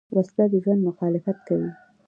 وسله د ژوند مخالفت کوي